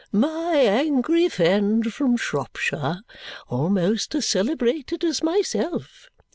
"My angry friend from Shropshire! Almost as celebrated as myself!"